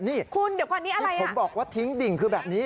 นี่คุณเดี๋ยวก่อนนี้อะไรคะผมบอกว่าทิ้งดิ่งคือแบบนี้